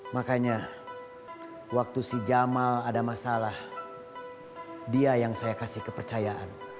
makanya waktu si jamal ada masalah dia yang saya kasih kepercayaan